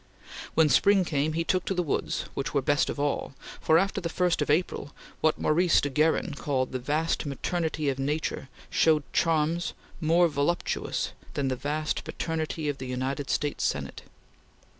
When spring came, he took to the woods, which were best of all, for after the first of April, what Maurice de Guerin called "the vast maternity" of nature showed charms more voluptuous than the vast paternity of the United States Senate.